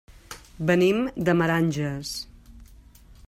Venim de Meranges.